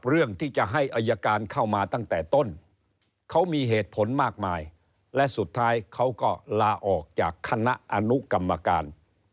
เรื่องที่จะให้อายการเข้ามาตั้งแต่ต้นเขามีเหตุผลมากมายและสุดท้ายเขาก็ลาออกจากคณะอนุกรรมการ